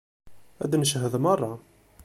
Ad d-ncehhed merra.